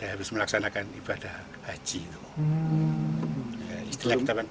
harus melaksanakan ibadah haji itu